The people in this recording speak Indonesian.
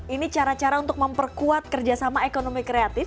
ini cara cara untuk memperkuat kerjasama ekonomi kreatif